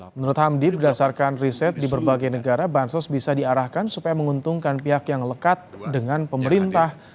menurut hamdi berdasarkan riset di berbagai negara bansos bisa diarahkan supaya menguntungkan pihak yang lekat dengan pemerintah